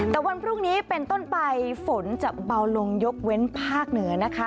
แต่วันพรุ่งนี้เป็นต้นไปฝนจะเบาลงยกเว้นภาคเหนือนะคะ